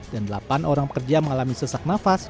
dan delapan orang pekerja mengalami sesak nafas